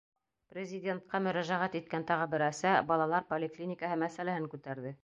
Президентҡа мөрәжәғәт иткән тағы бер әсә балалар поликлиникаһы мәсьәләһен күтәрҙе.